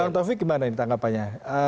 bang taufik gimana ini tanggapannya